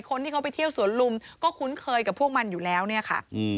คนที่เขาไปเที่ยวสวนลุมก็คุ้นเคยกับพวกมันอยู่แล้วเนี่ยค่ะ